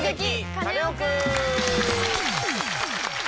カネオくん」！